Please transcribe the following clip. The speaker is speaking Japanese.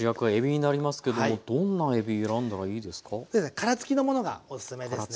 殻付きのものがおすすめですね。